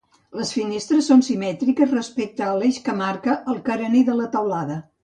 Les finestres són simètriques respecte a l'eix que marca el carener de la teulada.